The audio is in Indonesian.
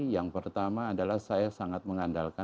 yang pertama adalah saya sangat mengandalkan